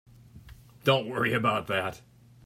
Don't worry about that.